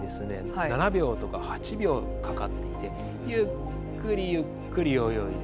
７秒とか８秒かかっていてゆっくりゆっくり泳いで。